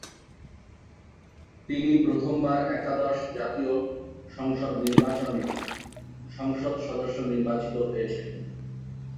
তিনি প্রথম বার একাদশ জাতীয় সংসদ নির্বাচনে সংসদ সদস্য নির্বাচিত হয়েছেন।